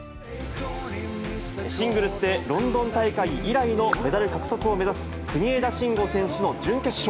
シングルスでロンドン大会以来のメダル獲得を目指す、国枝慎吾選手の準決勝。